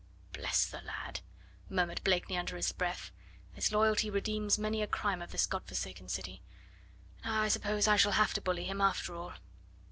"Bless the lad," murmured Blakeney under his breath; "his loyalty redeems many a crime of this God forsaken city. Now I suppose I shall have to bully him, after all."